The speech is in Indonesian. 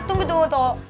tunggu tunggu tunggu